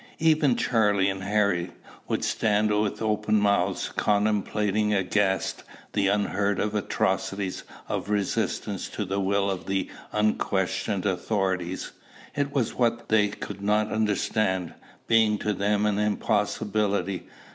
Even Charley and Harry would stand with open mouths, contemplating aghast the unheard of atrocity of resistance to the will of the unquestioned authorities. It was what they could not understand, being to them an impossibility.